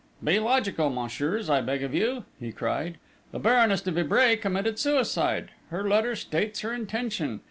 "Be logical, messieurs, I beg of you!" he cried. "The Baroness de Vibray committed suicide. Her letter states her intention.